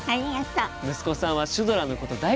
息子さんはシュドラのこと大好きなんだって！